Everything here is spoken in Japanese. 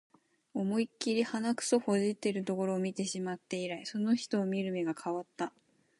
思いっきり鼻くそほじってるところ見てしまって以来、その人を見る目が変わった